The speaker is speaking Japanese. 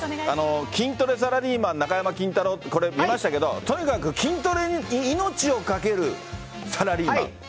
筋トレサラリーマン、中山筋太郎って、これ、見ましたけど、とにかく筋トレに命をかけるサラリーマン？